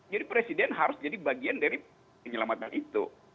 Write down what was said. jadi presiden harus jadi bagian dari penyelamatan itu